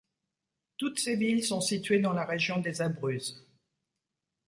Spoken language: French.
Toutes ces villes sont situées dans la Région des Abruzzes.